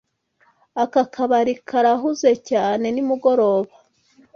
Aka kabari karahuze cyane nimugoroba.